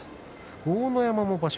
豪ノ山も場所